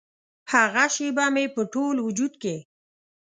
هغه شیبه مې په ټول وجود کې